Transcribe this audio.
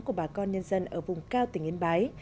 của bà con nhân dân ở vùng cao tỉnh yên bái